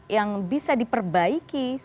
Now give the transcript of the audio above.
yang bisa diperbaiki secara